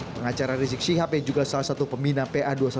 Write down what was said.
pengacara rizik syihab yang juga salah satu pembina pa dua ratus dua belas